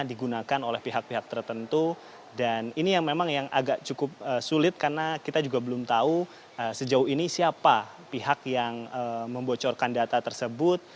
digunakan oleh pihak pihak tertentu dan ini yang memang yang agak cukup sulit karena kita juga belum tahu sejauh ini siapa pihak yang membocorkan data tersebut